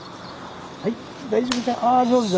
はい大丈夫だ。